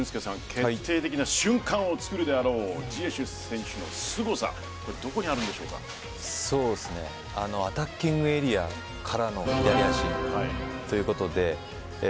決定的な瞬間を作るであろうジエシュ選手のすごさはアタッキングエリアからの左足ということで。